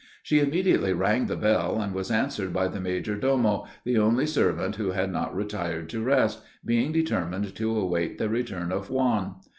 She immediately rang the bell, and was answered by the major domo, the only servant who had not retired to rest, being determined to await the return of Juan.